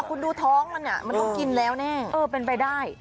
คุณดูท้องมันมันต้องกินแล้วแน่เออเป็นไปได้